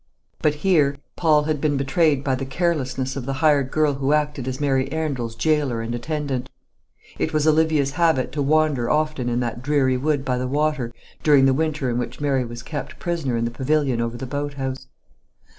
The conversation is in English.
But here Paul had been betrayed by the carelessness of the hired girl who acted as Mary Arundel's gaoler and attendant. It was Olivia's habit to wander often in that dreary wood by the water during the winter in which Mary was kept prisoner in the pavilion over the boat house.